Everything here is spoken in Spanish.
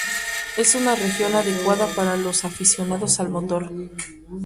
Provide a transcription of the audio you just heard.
Es una región adecuada para los aficionados al motor.